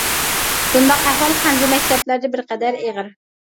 بۇنداق ئەھۋال خەنزۇ مەكتەپلەردە بىرقەدەر ئېغىر.